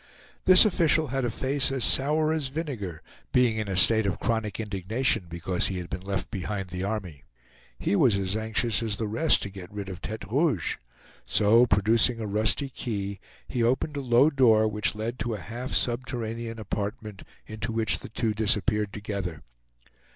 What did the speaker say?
This official had a face as sour as vinegar, being in a state of chronic indignation because he had been left behind the army. He was as anxious as the rest to get rid of Tete Rouge. So, producing a rusty key, he opened a low door which led to a half subterranean apartment, into which the two disappeared together.